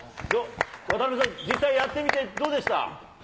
渡辺さん、実際やってみてどうでした？